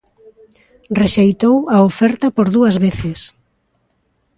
Rexeitou a oferta por dúas veces.